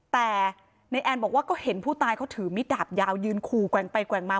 แต่นายแอนบอกว่าก็เห็นผู้ตายเขาถือมิดดาบยาวยืนขู่แกว่งไปแกว่งมา